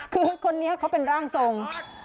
คือคนนี้เขาเป็นร่างทรง